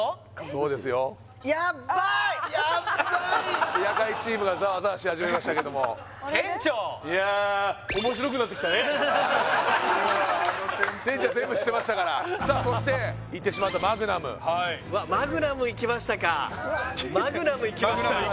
そうですよやっばい夜会チームがザワザワし始めましたけども店長は全部知ってましたからさあそしていってしまったマグナムわマグナムいきましたかマグナムいきました